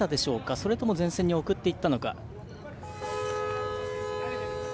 それとも前線に送っていったのか。